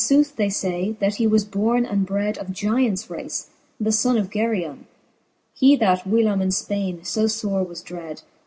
And {both they fay, that he was borne and bred Of gyants race, the Ibnne of Geryon^ He that whilome in Spaine fb fore was dred.